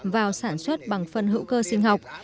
vào sản xuất bằng phân hữu cơ sinh học